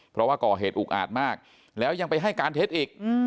เพราะว่าก่อเหตุอุกอาจมากแล้วยังไปให้การเท็จอีก